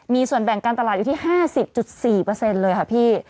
มีส่วนแบ่งการตลาดอยู่ที่๕๐๔เลยค่ะพี่